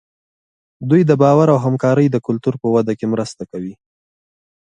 دوی د باور او همکارۍ د کلتور په وده کې مرسته کوي.